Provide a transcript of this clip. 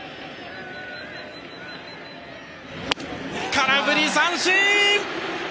空振り三振！